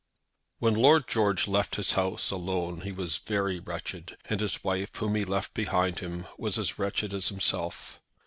When Lord George left his own house alone he was very wretched, and his wife, whom he left behind him, was as wretched as himself.